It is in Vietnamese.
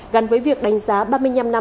gắn với việc đánh giá ba mươi năm năm